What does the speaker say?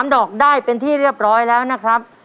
ดอกได้เป็นที่เรียบร้อยแล้วนะครับ